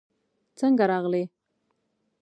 څنګه راغلې؟